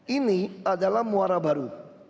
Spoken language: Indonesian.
ini adalah muara baru